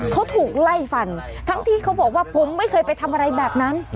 เขาถูกไล่ฟันทั้งที่เขาบอกว่าผมไม่เคยไปทำอะไรแบบนั้น